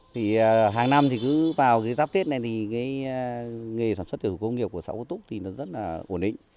thì hàng năm thì cứ vào cái giáp tết này thì nghề sản xuất của công nghiệp của xã phú túc thì nó rất là ổn định